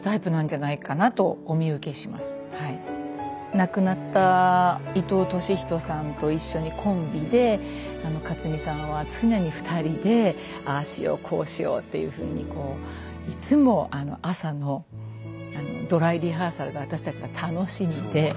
亡くなった伊藤俊人さんと一緒にコンビで克実さんは常に２人でああしようこうしようというふうにいつも朝のドライリハーサルが私たちは楽しみで。